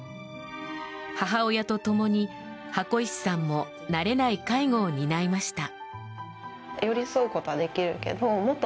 母親と共に箱石さんも慣れない介護を担いました。